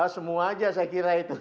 semua aja saya kira itu